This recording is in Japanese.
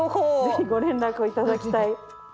是非ご連絡を頂きたい。